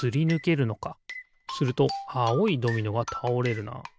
するとあおいドミノがたおれるな。